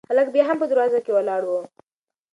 هلک بیا هم په دروازه کې ولاړ و.